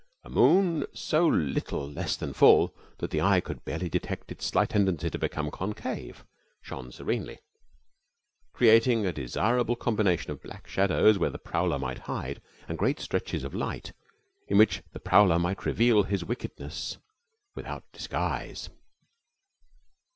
A moon so little less than full that the eye could barely detect its slight tendency to become concave, shone serenely, creating a desirable combination of black shadows where the prowler might hide and great stretches of light in which the prowler might reveal his wickedness without disguise.